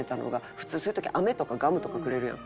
普通そういう時アメとかガムとかくれるやん。